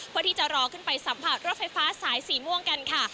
เพื่อที่จะรอขึ้นไปสัมผัสรถไฟฟ้าสายสีม่วงกันค่ะ